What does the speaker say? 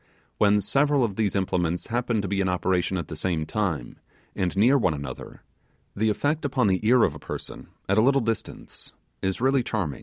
When several of these implements happen to be in operation at the same time, near one another, the effect upon the ear of a person, at a little distance, is really charming.